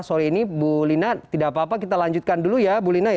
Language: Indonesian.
maaf bu lina tidak apa apa kita lanjutkan dulu ya